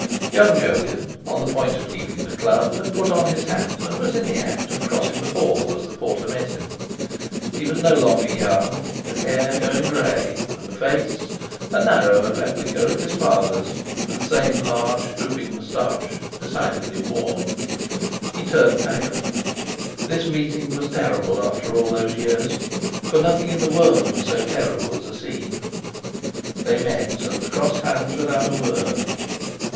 Young Jolyon, on the point of leaving the Club, had put on his hat, and was in the act of crossing the hall, as the porter met him. He was no longer young, with hair going grey, and face—a narrower replica of his father's, with the same large drooping moustache—decidedly worn. He turned pale. This meeting was terrible after all those years, for nothing in the world was so terrible as a scene. They met and crossed hands without a word.